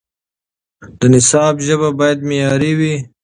د نصاب ژبه باید معیاري وي.